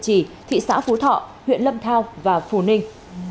trì thị xã phú thọ huyện lâm thao và phù ninh